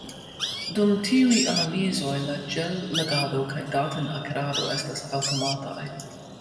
Dum tiuj analizoj, la ĝel-legado kaj daten-akirado estas aŭtomataj.